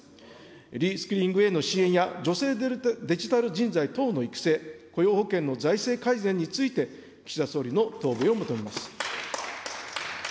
リスキリングへの支援や、女性デジタル人材等の育成、雇用保険の財政改善について、岸田総理の答弁を求めます。